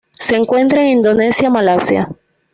Se encuentra en Indonesia Malasia.